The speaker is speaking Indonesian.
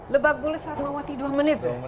lebak bulus fatmawati dua menit